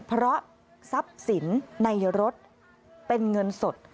เพราะทรัพย์สินในรถเป็นเงินสด